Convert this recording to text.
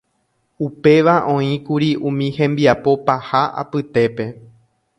Upéva oĩkuri umi hembiapo paha apytépe.